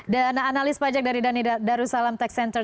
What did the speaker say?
dan analis pajak dari dhani darussalam tax center